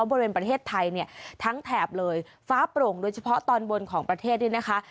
บริเวณประเทศไทยเนี่ยทั้งแถบเลยฟ้าโปร่งโดยเฉพาะตอนบนของประเทศนี่นะคะ